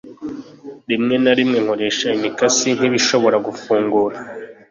Rimwe na rimwe nkoresha imikasi nkibishobora gufungura.